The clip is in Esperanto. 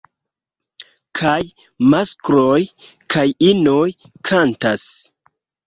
Kaj maskloj kaj inoj kantas.